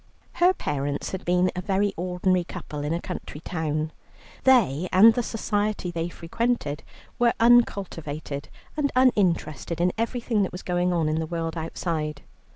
Her parents had been a very ordinary couple in a country town. They and the society they frequented were uncultivated, and uninterested in everything that was going on in the world outside.